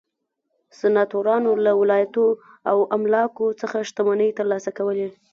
سناتورانو له ولایتونو او املاکو څخه شتمنۍ ترلاسه کولې.